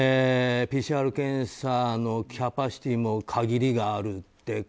ＰＣＲ検査のキャパシティーも限りがあるって